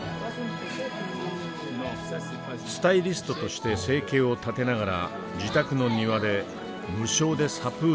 スタイリストとして生計を立てながら自宅の庭で無償でサプールの心得を伝えています。